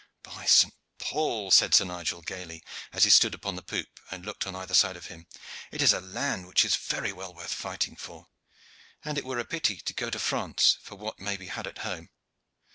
"By St. Paul!" said Sir Nigel gayly, as he stood upon the poop and looked on either side of him, "it is a land which is very well worth fighting for, and it were pity to go to France for what may be had at home.